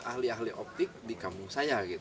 ahli ahli optik di kampung saya